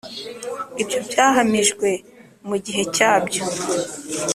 Ibyo byahamijwe mu gihe cyabyo,